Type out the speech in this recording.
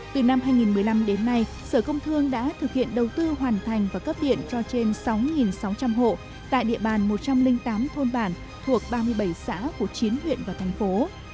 từ năm hai nghìn một mươi năm đến nay sở công thương đã thực hiện đầu tư hoàn thành và cấp điện cho trên sáu sáu trăm linh hộ tại địa bàn một trăm linh tám thôn bản thuộc ba mươi bảy xã của chín huyện và thành phố